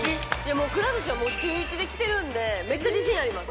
もうくら寿司は週１で来てるのでめっちゃ自信あります